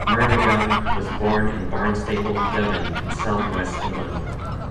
Murnaghan was born in Barnstaple, Devon in South West England.